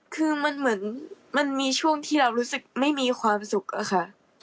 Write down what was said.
คือมันเหมือนมันมีช่วงที่เรารู้สึกไม่มีความสุขอะค่ะ